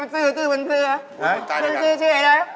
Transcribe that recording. บ้รรกษีแล้วมันมันไม่ใช่